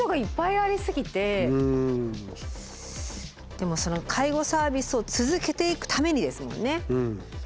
でもその介護サービスを続けていくためにですもんね。